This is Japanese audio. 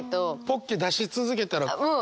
ポッケ出し続けたら。